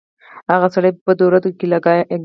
هغه سړی په بدو ردو لګیا شو.